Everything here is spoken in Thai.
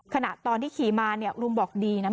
ขณะตอนที่ขี่มาเนี่ยลุงบอกดีนะ